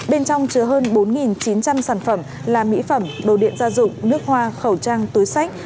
bên trong chứa hơn bốn chín trăm linh sản phẩm là mỹ phẩm đồ điện gia dụng nước hoa khẩu trang túi sách